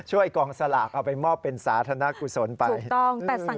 เออก็ซื้อไปเรื่อยเออ